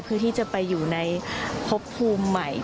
เพื่อที่จะไปอยู่ในพบภูมิใหม่